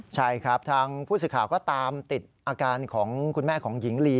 ใช่ครับทางผู้สื่อข่าวก็ตามติดอาการของคุณแม่ของหญิงลี